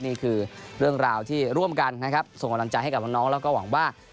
นี่คือเรื่องราวที่ร่วมกันนะครับส่งกำลังใจให้กับน้องแล้วก็หวังว่า